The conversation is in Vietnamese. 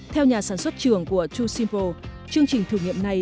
theo nhà sản xuất trưởng của hai simple chương trình thử nghiệm này